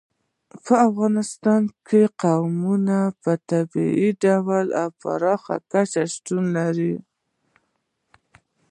په افغانستان کې قومونه په طبیعي ډول او پراخه کچه شتون لري.